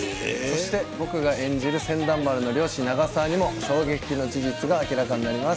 そして僕が演じる船団丸の漁師永沢にも衝撃の事実が明らかになります。